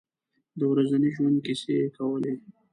د ورځني ژوند کیسې یې کولې.